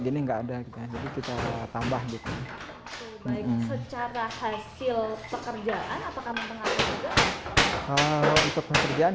untuk penerjaan kita ingin artisirsir di situ